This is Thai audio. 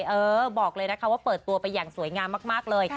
เออบอกเลยนะคะว่าเปิดตัวไปอย่างสวยงามมากเลย